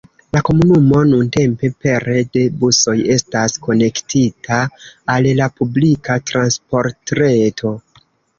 La komunumo nuntempe pere de busoj estas konektita al la publika transportreto.